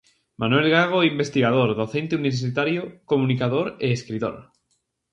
Manuel Gago é investigador, docente universitario, comunicador e escritor.